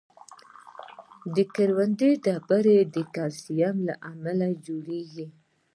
د ګردو ډبرې د کلسیم له امله جوړېږي.